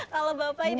kalau bapak ini